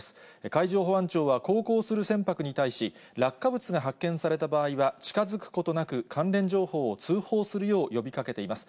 海上保安庁は、航行する船舶に対し、落下物が発見された場合は、近づくことなく、関連情報を通報するよう呼びかけています。